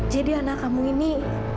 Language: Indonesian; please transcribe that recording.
jadi anak kamu ini